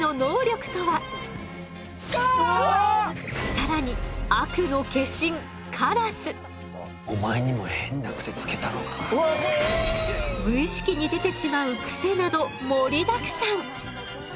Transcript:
更に悪の化身無意識に出てしまうクセなど盛りだくさん。